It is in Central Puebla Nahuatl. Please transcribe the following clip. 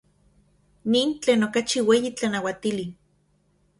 Nin tlen okachi ueyi tlanauatili.